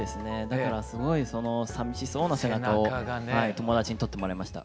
だからすごいさみしそうな背中を友達に撮ってもらいました。